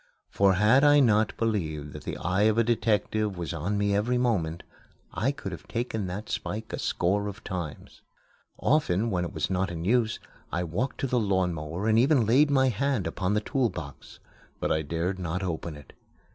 For had I not believed that the eye of a detective was on me every moment, I could have taken that spike a score of times. Often, when it was not in use, I walked to the lawnmower and even laid my hand upon the tool box. But I dared not open it.